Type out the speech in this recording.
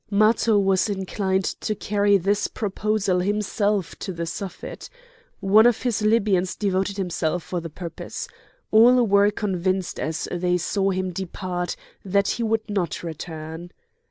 Matho was inclined to carry this proposal himself to the Suffet. One of his Libyans devoted himself for the purpose. All were convinced as they saw him depart that he would not return.